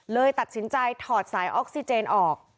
เลยตัดสินใจถอดสายออกซิเจนออก